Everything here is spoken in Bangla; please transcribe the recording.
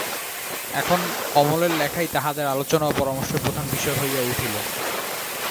এখন অমলের লেখাই তাহাদের আলোচনা ও পরামর্শের প্রধান বিষয় হইয়া উঠিল।